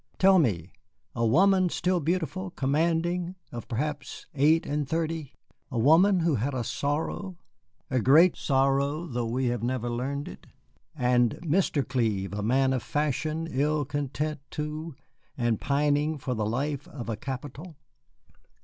Tell me a woman still beautiful, commanding, of perhaps eight and thirty? A woman who had a sorrow? a great sorrow, though we have never learned it. And Mr. Clive, a man of fashion, ill content too, and pining for the life of a capital?"